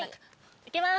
いきます。